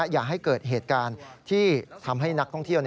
อย่าให้เกิดเหตุการณ์ที่ทำให้นักท่องเที่ยว